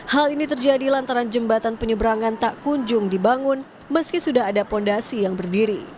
hal ini terjadi lantaran jembatan penyeberangan tak kunjung dibangun meski sudah ada fondasi yang berdiri